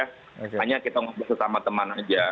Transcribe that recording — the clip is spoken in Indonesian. hanya kita ngobrol sesama teman aja